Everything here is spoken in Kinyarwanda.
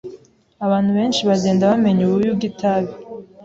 Abantu benshi bagenda bamenya ububi bwitabi.